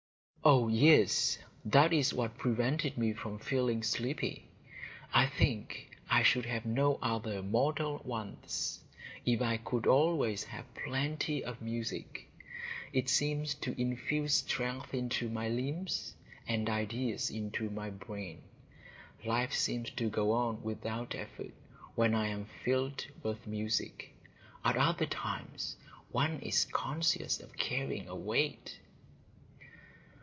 "Oh yes, that is what prevented me from feeling sleepy. I think I should have no other mortal wants, if I could always have plenty of music. It seems to infuse strength into my limbs, and ideas into my brain. Life seems to go on without effort, when I am filled with music. At other times one is conscious of carrying a weight."